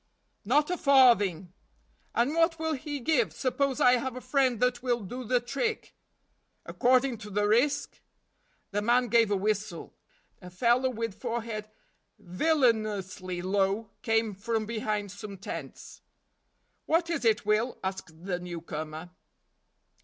"Not a farthing!" "And what will he give, suppose I have a friend that will do the trick?" "According to the risk!" The man gave a whistle. A fellow with forehead villainously low came from behind some tents. "What is it, Will?" asked the newcomer.